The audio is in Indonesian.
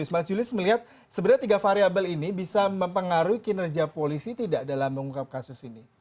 mas julius melihat sebenarnya tiga variable ini bisa mempengaruhi kinerja polisi tidak dalam mengungkap kasus ini